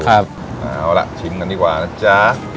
เอาล่ะชิมกันดีกว่านะจ๊ะ